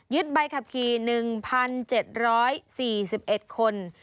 ใบขับขี่๑๗๔๑คน